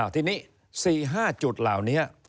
ทีนี้๔๕จุดเหล่านี้